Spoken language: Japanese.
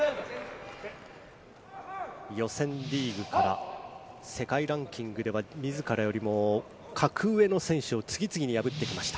予選リーグから世界ランキングでは自らよりも格上の選手を次々に破ってきました。